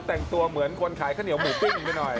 แต่งตัวเหมือนคนขายข้าวเหนียวหมูปิ้งไปหน่อย